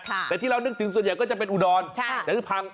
แต่ที่เรานึกถึงส่วนใหญ่ก็จะเป็นอุดรแต่คือพัง